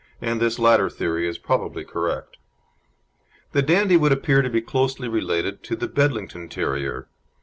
And this latter theory is probably correct. The Dandie would appear to be closely related to the Bedlington Terrier.